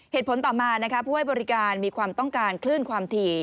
ต่อมาผู้ให้บริการมีความต้องการคลื่นความถี่